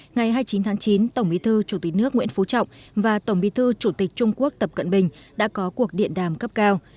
ngày hai mươi chín tháng chín tổng bí thư chủ tịch nước nguyễn phú trọng và tổng bí thư chủ tịch trung quốc tập cận bình đã có cuộc điện đàm cấp cao